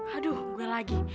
aduh gue lagi